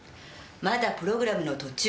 まだプログラムの途中。